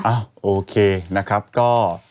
อ้าวโอเคนะครับก็